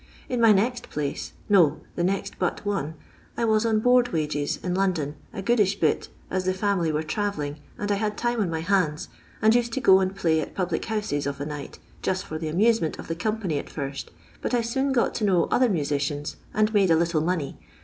In my next place — no, the next but one — I was on board wages, in London, a goodish bit, as the family were travelling, and I had time on my hands, and used to go and play at public houses of a night, just for the amusement of the company at first, but I soon got to know otht'r musicians and made a little money.